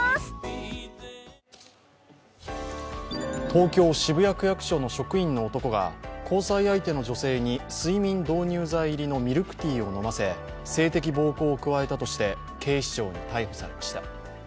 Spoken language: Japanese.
東京・渋谷区役所の職員の男が交際相手の女性に睡眠導入剤入りのミルクティーを飲ませ性的暴行を加えたとして警視庁に逮捕されました。